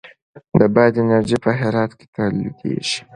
د باد انرژي په هرات کې تولیدیږي